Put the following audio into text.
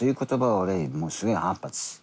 俺もうすごい反発。